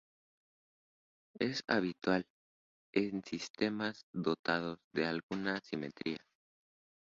Es habitual en sistemas dotados de alguna simetría.